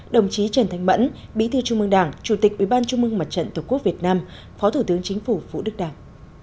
đồng chí trần thanh mẫn bí thư trung mương đảng chủ tịch ủy ban trung mương mặt trận tổ quốc việt nam phó thủ tướng chính phủ vũ đức đảng